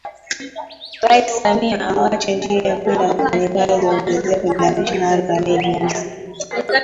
Rais Samia awaacha njia panda wafanyakazi Ongezeko la Mishahara Mei Mosi